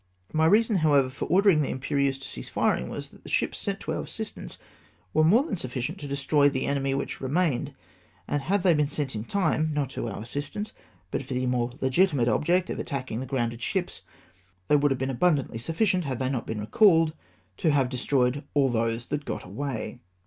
My reason, however, for ordering the Imperieuse to cease firing was, that the ships sent to our assistance were more than sufficient to destroy the enemy which remained, and had they been sent in time — not to our " assistance^' but for the more legiti mate object of attackmg the grounded ships — they would have been abundantly sufficient, had they not been recalled, to have destroyed all those that got away.